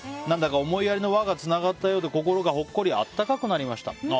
何だか思いやりの輪がつながったようで心がほっこり温かくなりました。